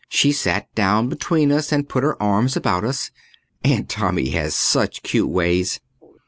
She sat down between us and put her arms about us. Aunt Tommy has such cute ways.